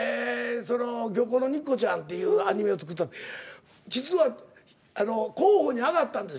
その「漁港の肉子ちゃん」っていうアニメを作った時実は候補に挙がったんです。